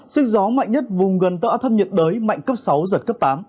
sức gió mạnh nhất vùng gần tâm áp thấp nhiệt đới mạnh cấp sáu giật cấp tám